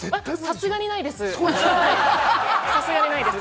さすがにないです。